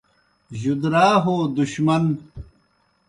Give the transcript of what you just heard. جُدرا ہو دُشمن